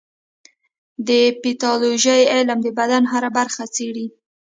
د پیتالوژي علم د بدن هره برخه څېړي.